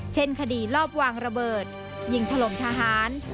เช่นคดีลอบวางระเบิดยิงถล่มทหาร